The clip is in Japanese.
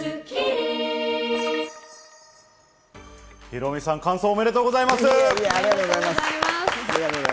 ヒロミさん、完走おめでとうありがとうございます。